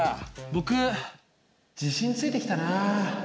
僕自信ついてきたな。